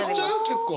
結構。